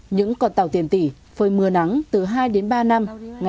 những con tàu tiền tỷ phơi mưa nắng từ hai đến ba năm